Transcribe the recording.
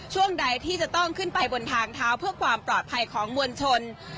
ช่วงใดที่จะต้องขึ้นไปบนทางเท้าเพื่อความปลอดภัยของมวลชน